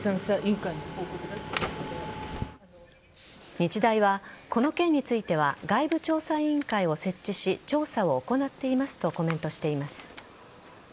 日大はこの件については外部調査委員会を設置し調査を行っていますとコメントしています。